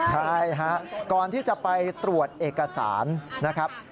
ใช่ฮะก่อนที่จะไปตรวจเอกสารนะครับ